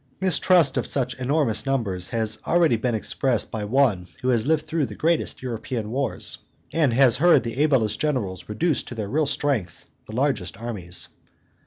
Mistrust of such enormous numbers has already been expressed by one who has lived through the greatest European wars, and has heard the ablest generals reduce to their real strength the largest armies.